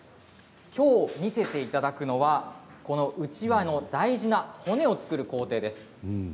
きょう見せていただくのはうちわの大事な骨を作る工程です。